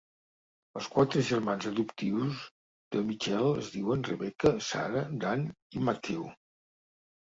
Els quatre germans adoptius de Michael es diuen Rebecca, Sara, Dan i Matthew.